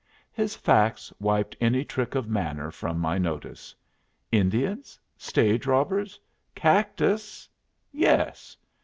His facts wiped any trick of manner from my notice. Indians? Stage robbers? Cactus? Yes.